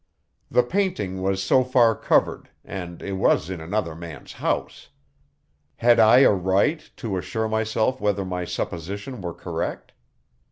The painting was so far covered, and it was in another man's house. Had I a right to assure myself whether my supposition were correct?